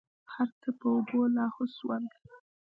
هرڅه په اوبو لاهو سول.